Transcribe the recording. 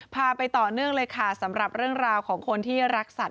พาไปต่อเนื่องเลยค่ะสำหรับเรื่องราวของคนที่รักสัตว